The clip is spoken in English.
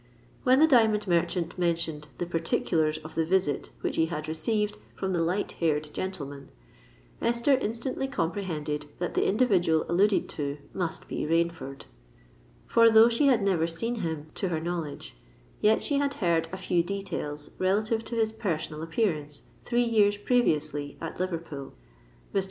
When the diamond merchant mentioned the particulars of the visit which he had received from the light haired gentleman, Esther instantly comprehended that the individual alluded to must be Rainford; for though she had never seen him to her knowledge, yet she had heard a few details relative to his personal appearance, three years previously, at Liverpool. Mr.